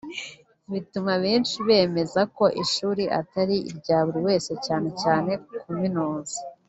bituma benshi bemeza ko ishuri atari irya buri wese cyane cyane kuminuza